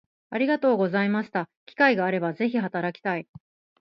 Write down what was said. ありがとうございました機会があれば是非働きたい